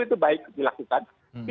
itu baik dilakukan